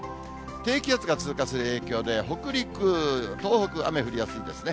低気圧が通過する影響で、北陸、東北、雨降りやすいですね。